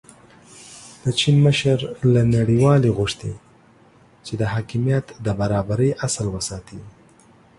د چین مشر له نړیوالې غوښتي چې د حاکمیت د برابرۍ اصل وساتي.